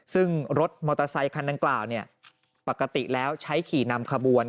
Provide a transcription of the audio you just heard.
ซึ่งรถมอเตอร์ไซคันดังกล่าวปกติแล้วใช้ขี่นำขบวน